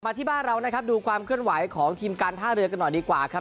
ที่บ้านเรานะครับดูความเคลื่อนไหวของทีมการท่าเรือกันหน่อยดีกว่าครับ